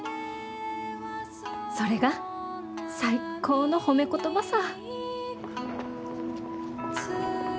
それが最高の褒め言葉さ。